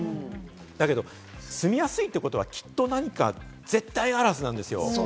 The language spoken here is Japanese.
だけど、住みやすいってことは、きっと何か絶対あるはずなんですよ。